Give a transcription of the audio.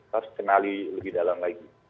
harus kenali lebih dalam lagi